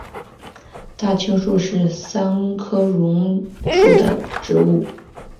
大青树是桑科榕属的植物。